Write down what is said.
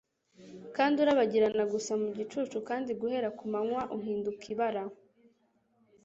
Kandi urabagirana gusa mu gicucu kandi guhera kumanywa uhinduka ibara